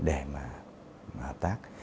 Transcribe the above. để mà hợp tác